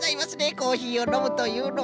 コーヒーをのむというのは。